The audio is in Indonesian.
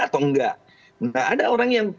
atau enggak nah ada orang yang